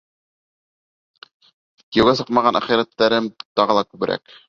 Кейәүгә сыҡмаған әхирәттәрем тағы ла күберәк.